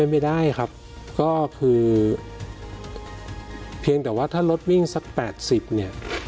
ไม่ได้ครับก็คือเพียงแต่ว่าถ้ารถวิ่งสัก๘๐เนี่ย